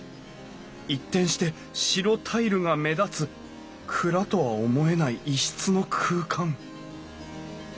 一転して白タイルが目立つ蔵とは思えない異質の空間